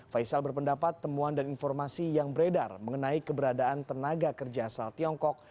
faisal berpendapat temuan dan informasi yang beredar mengenai keberadaan tenaga kerja asal tiongkok